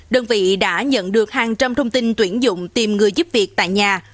đơn vị đã nhận được hàng trăm thông tin tuyển dụng tìm người giúp việc tại nhà